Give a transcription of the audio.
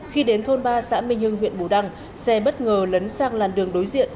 khi đến thôn ba xã minh hưng huyện bù đăng xe bất ngờ lấn sang làn đường đối diện